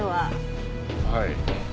はい。